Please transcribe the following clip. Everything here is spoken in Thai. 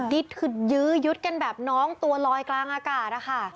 นี่คือยื้อยึดกันแบบน้องตัวลอยกลางอากาศนะคะ